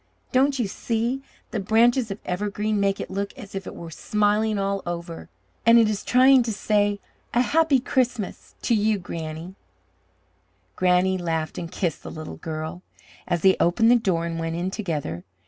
Don't you see, the branches of evergreen make it look as if it were smiling all over, and it is trying to say, 'A happy Christmas' to you, Granny!" Granny laughed and kissed the little girl, as they opened the door and went in together.